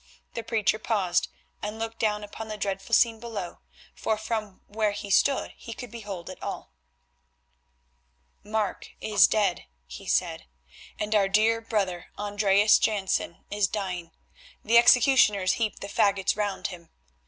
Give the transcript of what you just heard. The preacher paused and looked down upon the dreadful scene below, for from where he stood he could behold it all. "Mark is dead," he said, "and our dear brother, Andreas Jansen, is dying; the executioners heap the faggots round him.